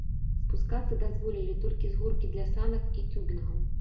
Спускацца дазволілі толькі з горкі для санак і цюбінгаў.